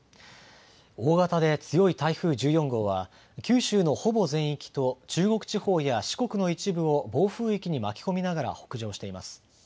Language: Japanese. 大型で強い台風１４号は九州のほぼ全域と中国地方や四国の一部を暴風域に巻き込みながら北上しています。